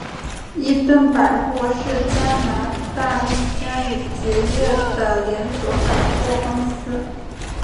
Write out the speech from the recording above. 伊顿百货是加拿大一家已结业的连锁百货公司。